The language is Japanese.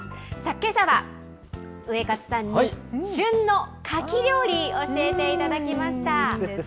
けさはウエカツさんに旬のカキ料理、教えていただきました。